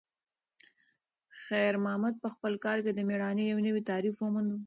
خیر محمد په خپل کار کې د میړانې یو نوی تعریف وموند.